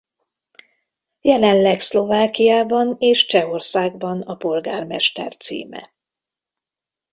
Jelenleg Szlovákiában és Csehországban a polgármester címe.